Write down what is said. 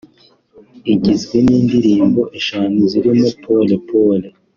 igizwe n’indirimbo eshanu zirimo ‘Pole Pole’